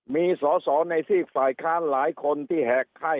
มีสสในภิกษาภารการณ์หลายคนที่แห่คไข้